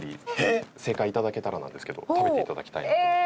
正解頂けたらなんですけど食べて頂きたいなと思ってます。